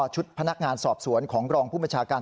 ชุดพนักงานสอบสวนของรองผู้บัญชาการ